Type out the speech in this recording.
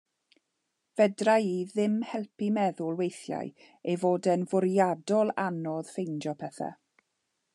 Fedra' i ddim helpu meddwl weithiau ei fod o'n fwriadol anodd ffeindio pethau.